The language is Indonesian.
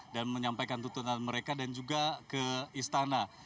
dan menyampaikan tutunan mereka dan juga ke istana